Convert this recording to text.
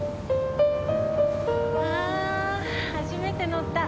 あー、初めて乗った。